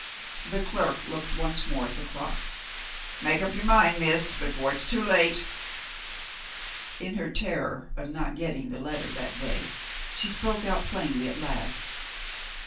The clerk looked once more at the clock. "Make up your mind, Miss, before it's too late." In her terror of not getting the letter that day, she spoke out plainly at last.